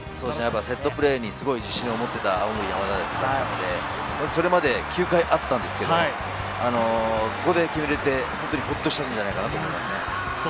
セットプレーにすごい自信を持っていた青森山田だったので、それまで９回あったんですが、ここで決めれて本当にホッとしたんじゃないかなと思います。